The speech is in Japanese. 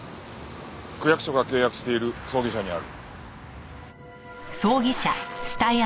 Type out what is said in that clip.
区役所が契約している葬儀社にある。